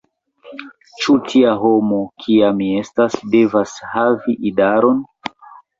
Ĉu tia homo, kia mi estas, devas havi idaron?